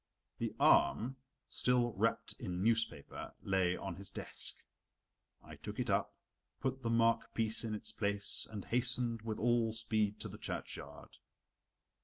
The arm, still wrapped in newspaper, lay on his desk. I took it up, put the mark piece in its place and hastened with all speed to the churchyard.